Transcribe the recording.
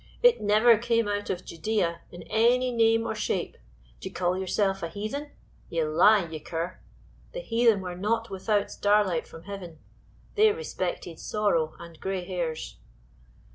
"It never came out of Judea in any name or shape. D'ye call yourself a heathen? Ye lie, ye cur; the heathen were not without starlight from heaven; they respected sorrow and gray hairs."